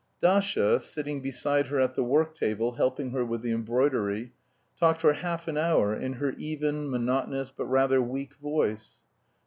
Dasha, sitting beside her at the work table helping her with the embroidery, talked for half an hour in her even, monotonous, but rather weak voice.